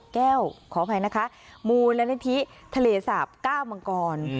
แก้วขออภัยนะคะมูลนิธิทะเลสาบ๙มังกร